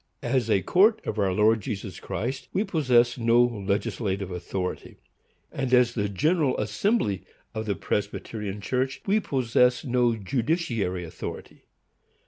As a court of our Lord Jesus Christ, we possess no legislative authority; and as the General Assembly of the Presbyterian Church, we possess no judiciary authority.